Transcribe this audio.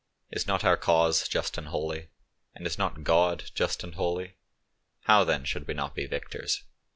Is not our cause just and holy, and is not God just and holy? How then should we not be victors?